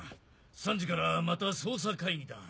３時からまた捜査会議だ。